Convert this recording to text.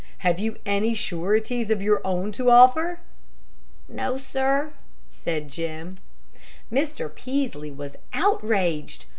Have you any sureties of your own to offer?" "No, sir," said Jim. Mr. Peaslee was outraged.